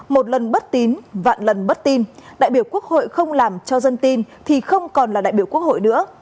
một lần bất tín vạn lần bất tin đại biểu quốc hội không làm cho dân tin thì không còn là đại biểu quốc hội nữa